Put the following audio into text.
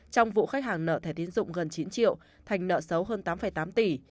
trong vụ khách hàng nợ thẻ tiến dụng gần chín triệu thành nợ xấu hơn tám tám tỷ